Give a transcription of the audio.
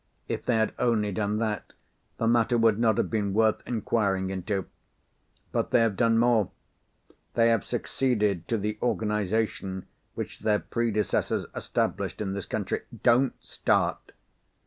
If they had only done that, the matter would not have been worth inquiring into. But they have done more. They have succeeded to the organisation which their predecessors established in this country. Don't start!